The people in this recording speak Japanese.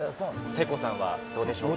せいこうさんはどうでしょうか？